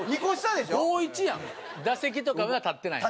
打席とかは立ってないの？